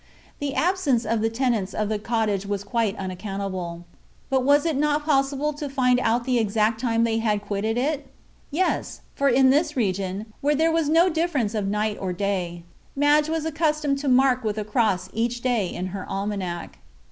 The absence of the tenants of the cottage was quite unaccountable. But was it not possible to find out the exact time they had quitted it? Yes, for in this region, where there was no difference of day or night, Madge was accustomed to mark with a cross each day in her almanac.